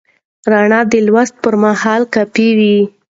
رڼا د لوست پر مهال کافي وي.